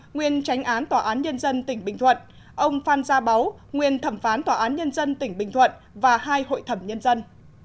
nguyên tránh án tòa án nhân dân tỉnh bình thuận ông phan gia báu nguyên thẩm phán tòa án nhân dân tỉnh bình thuận và hai hội thẩm nhân dân